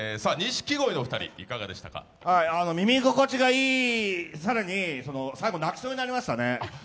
耳心地がいい、更にいい、最後泣きそうになりましたね。